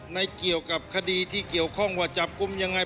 เกี่ยวกับคดีที่เกี่ยวข้องว่าจับกลุ่มยังไง